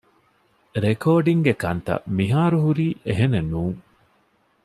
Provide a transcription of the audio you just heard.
ރެކޯޑިންގގެ ކަންތައް މިހާރުހުރީ އެހެނެއްނޫން